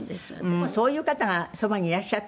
そういう方がそばにいらっしゃってね